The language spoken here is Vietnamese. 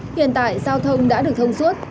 hiện tại giao thông đã được thông suốt